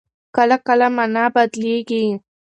کله کله مانا بدلېږي.